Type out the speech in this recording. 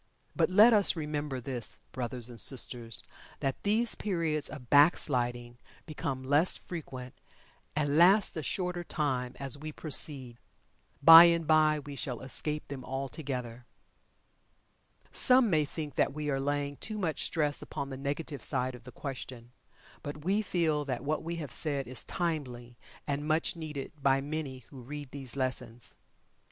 But, let us remember this, brothers and sisters, that these periods of "back sliding" become less frequent, and last a shorter time, as we proceed. Bye and bye we shall escape them altogether. Some may think that we are laying too much stress upon the negative side of the question, but we feel that what we have said is timely, and much needed by many who read these lessons.